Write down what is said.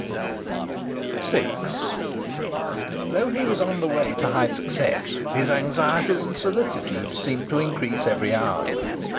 VI Though he was on the way to high success his anxieties and solicitudes seemed to increase every hour.